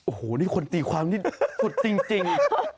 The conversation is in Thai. โอ้โหนี่คนตีความนี่สุดจริง